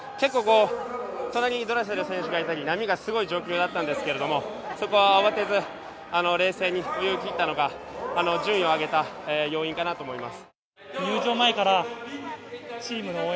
隣にドレッセル選手がいて、波がすごい状態だったんですが、そこは慌てず冷静に乗り切ったのが順位を上げた要因かなと思います。